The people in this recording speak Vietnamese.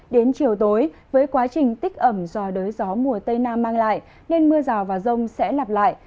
đến chiều tối với quá trình tích ẩm do đới gió mùa tây nam mang lại nên mưa rào và rông sẽ lặp lại